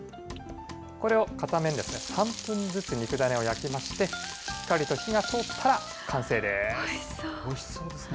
これを片面３分ずつ肉だねを焼きまして、しっかりと火が通ったらおいしそう。